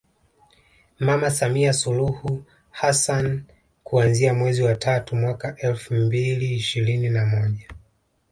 Mama Samia Suluhu Hassani kuanzia mwezi wa tatu mwaka Elfu mbili ishirini na moja